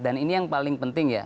dan ini yang paling penting ya